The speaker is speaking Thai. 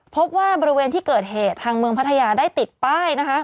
พบว่าบริเวณที่เกิดเหตุทางเมืองพัทยาได้ติดป้ายนะคะ